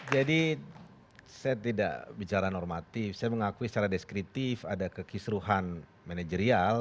jadi saya tidak bicara normatif saya mengakui secara deskriptif ada kekisruhan manajerial